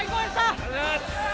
ありがとうございます。